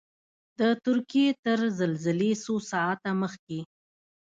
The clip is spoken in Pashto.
د ترکیې تر زلزلې څو ساعته مخکې.